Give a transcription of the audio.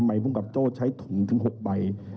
เรามีการปิดบันทึกจับกลุ่มเขาหรือหลังเกิดเหตุแล้วเนี่ย